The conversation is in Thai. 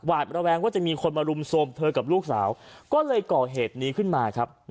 ระแวงว่าจะมีคนมารุมโทรมเธอกับลูกสาวก็เลยก่อเหตุนี้ขึ้นมาครับ